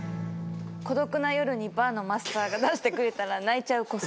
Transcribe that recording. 孤独な夜にバーのマスターが出してくれたら泣いちゃう小そば。